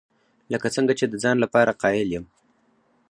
لکه څنګه چې د ځان لپاره قایل یم.